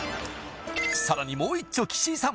さらにもういっちょ岸井さん